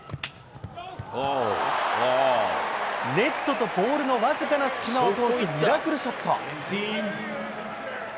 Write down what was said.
ネットとポールの僅かな隙間を通すミラクルショット。